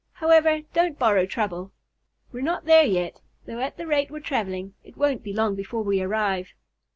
However, don't borrow trouble. We're not there yet, though at the rate we're traveling it won't be long before we arrive."